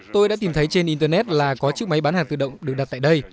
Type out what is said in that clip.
tôi đã tìm thấy trên internet là có chiếc máy bán hàng tự động được đặt tại đây